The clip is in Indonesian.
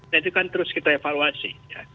nah itu kan terus kita evaluasi